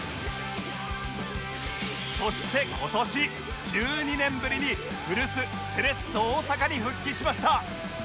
そして今年１２年ぶりに古巣セレッソ大阪に復帰しました